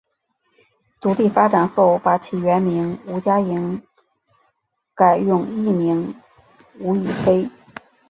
独立发展后把其原名吴家颖改用艺名吴雨霏。